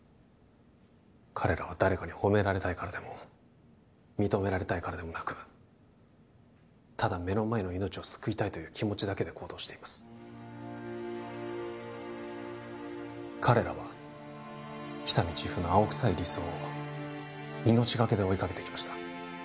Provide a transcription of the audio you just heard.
彼らは誰かに褒められたいからでも認められたいからでもなくただ目の前の命を救いたいという気持ちだけで行動しています彼らは喜多見チーフの青臭い理想を命がけで追いかけてきました